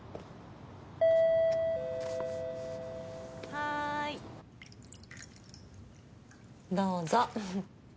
・はい・どうぞ。